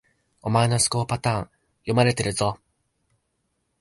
お前の思考パターン、読まれてるぞ